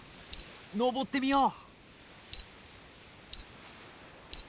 のぼってみよう。